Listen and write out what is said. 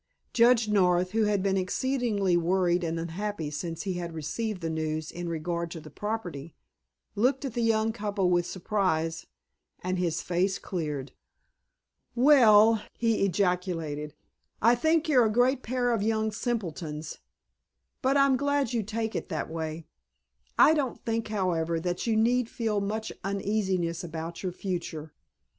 Judge North, who had been exceedingly worried and unhappy since he had received the news in regard to the property, looked at the young couple with surprise, and his face cleared. "Well," he ejaculated, "I think you're a great pair of young simpletons, but I'm glad you take it that way. I don't think, however, that you need feel much uneasiness about your future.